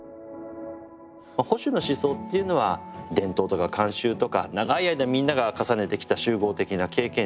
保守の思想っていうのは伝統とか慣習とか長い間みんなが重ねてきた集合的な経験